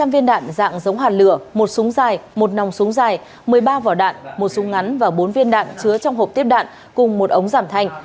hai trăm linh viên đạn dạng giống hạt lửa một súng dài một nòng súng dài một mươi ba vỏ đạn một súng ngắn và bốn viên đạn chứa trong hộp tiếp đạn cùng một ống giảm thanh